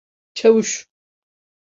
Çavuş!